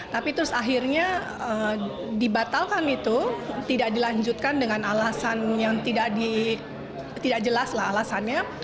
tapi terus akhirnya dibatalkan itu tidak dilanjutkan dengan alasan yang tidak jelas alasannya